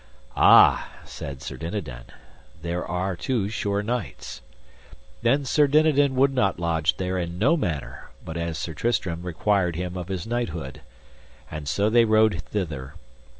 Ah, said Sir Dinadan, they are two sure knights. Then Sir Dinadan would not lodge there in no manner but as Sir Tristram required him of his knighthood; and so they rode thither.